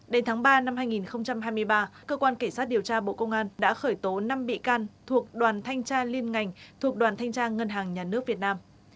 đến tháng ba năm hai nghìn hai mươi ba cơ quan kể sát điều tra bộ công an đã khởi tố năm bị can thuộc đoàn thanh tra liên ngành thuộc đoàn thanh tra ngân hàng nhà nước việt nam